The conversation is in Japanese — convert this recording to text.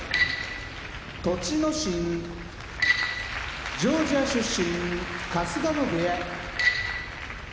栃ノ心ジョージア出身春日野部屋豊山新潟県出身